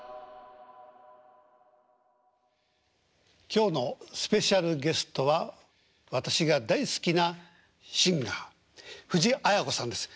今日のスペシャルゲストは私が大好きなシンガー藤あや子さんです。